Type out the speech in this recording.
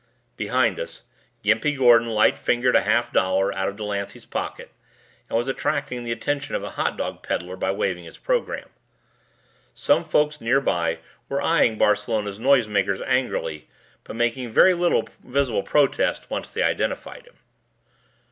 Behind us, Gimpy Gordon light fingered a half dollar out of Delancey's pocket and was attracting the attention of a hot dog peddler by waving his program. Some folks nearby were eying Barcelona's noisemakers angrily but making very little visible protest once they identified him.